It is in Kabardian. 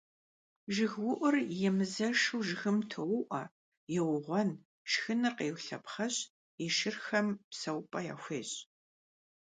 ЖыгыуIур емызэшу жыгым тоуIуэ, еугъуэн, шхыныр къеулъэпхъэщ, и шырхэм псэупIэ яхуещI.